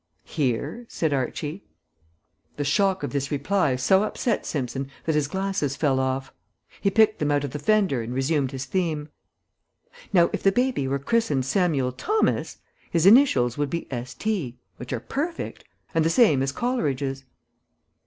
"Here," said Archie. The shock of this reply so upset Simpson that his glasses fell off. He picked them out of the fender and resumed his theme. "Now, if the baby were christened 'Samuel Thomas' his initials would be 'S. T.,' which are perfect. And the same as Coleridge's."